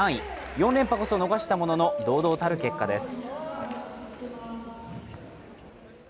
４連覇こそ逃したものの堂々たる結果です。